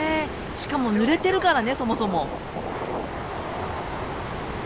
しかもぬれてるからねそもそも。